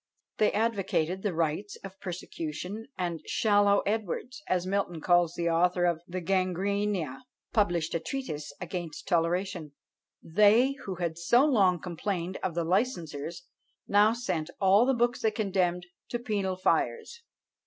They advocated the rights of persecution; and "shallow Edwards," as Milton calls the author of "The Gangræna," published a treatise against toleration. They who had so long complained of "the licensers," now sent all the books they condemned to penal fires.